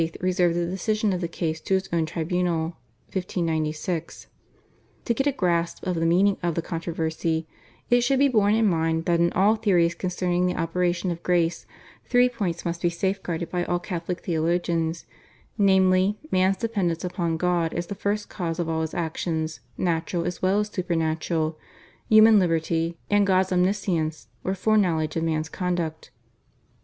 reserved the decision of the case to his own tribunal (1596). To get a grasp of the meaning of the controversy, it should be borne in mind that in all theories concerning the operation of Grace three points must be safeguarded by all Catholic theologians, namely, man's dependence upon God as the First Cause of all his actions natural as well as supernatural, human liberty, and God's omniscience or foreknowledge of man's conduct.